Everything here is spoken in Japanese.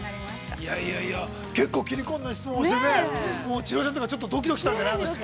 ◆いやいやいや、結構切り込んだ質問をして、千尋ちゃんとか、ドキドキしたんじゃない。